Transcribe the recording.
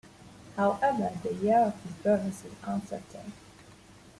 However, the year of his birth is uncertain.